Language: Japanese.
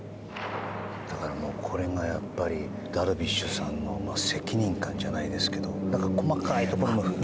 これがダルビッシュさんの責任感じゃないですけど細かいところまで。